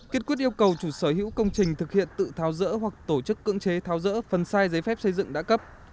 kết quyết yêu cầu chủ sở hữu công trình thực hiện tự tháo rỡ hoặc tổ chức cưỡng chế tháo rỡ phần sai giấy phép xây dựng đã cấp